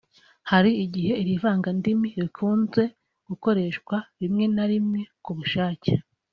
hari igihe iri vangandimi rikunze gukoreshwa rimwe na rimwe ku bushake